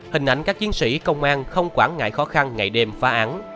hình ảnh các chiến sĩ công an không quản ngại khó khăn ngày đêm phá án